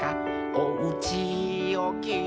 「おうちをきいても」